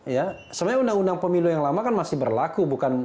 ya sebenarnya undang undang pemilu yang lama kan masih berlaku